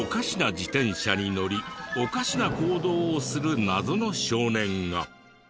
自転車に乗りおかしな行動をする謎の少年が。